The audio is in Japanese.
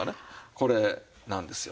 これなんですよ。